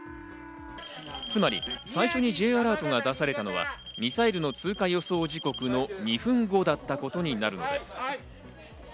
つまり最初にＪアラートが出されたのはミサイルの通過予想時刻の２分後だったことになるのです。